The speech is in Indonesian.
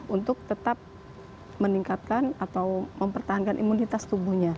untuk tetap meningkatkan atau mempertahankan imunitas tubuhnya